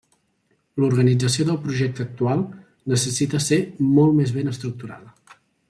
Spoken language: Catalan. L'organització del projecte actual necessita ser molt més ben estructurada.